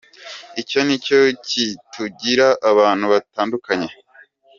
Icyo ni cyo kitugira abantu batandukanye.